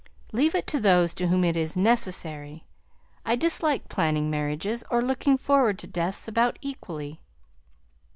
"Leave it to those to whom it is necessary. I dislike planning marriages or looking forward to deaths about equally."